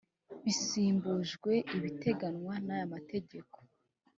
bisimbujwe ibiteganywa n’aya mategeko